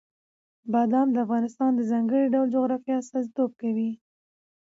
بادام د افغانستان د ځانګړي ډول جغرافیه استازیتوب کوي.